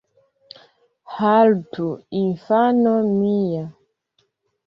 Haltu, infano mia.